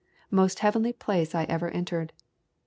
Most heavenly place I ever entered.